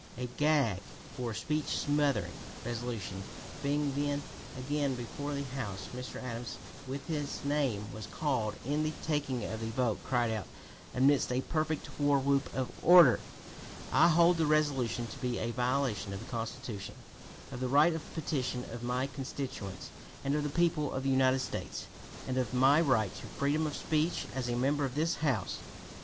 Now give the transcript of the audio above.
A "gag" or "speech smothering" resolution being then again before the House, Mr. Adams, when his name was called in the taking of the vote, cried out "amidst a perfect war whoop of 'order:' 'I hold the resolution to be a violation of the Constitution, of the right of petition of my constituents and of the people of the United States, and of my right to freedom of speech as a member of this House.'"